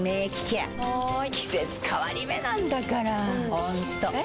ホントえ？